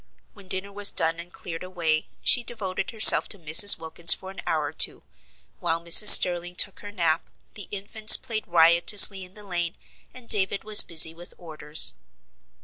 When dinner was done and cleared away, she devoted herself to Mrs. Wilkins for an hour or two, while Mrs. Sterling took her nap, the infants played riotously in the lane, and David was busy with orders.